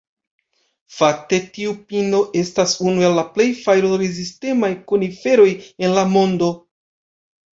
Fakte, tiu pino estas unu el la plej fajro-rezistemaj koniferoj en la mondo.